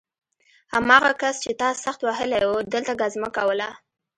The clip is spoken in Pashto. هماغه کس چې تا سخت وهلی و دلته ګزمه کوله